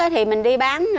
thì mình đi bán